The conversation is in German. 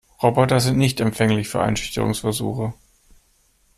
Roboter sind nicht empfänglich für Einschüchterungsversuche.